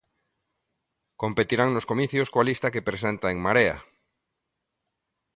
Competirán nos comicios coa lista que presenta En Marea.